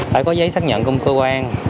phải có giấy xác nhận công cơ quan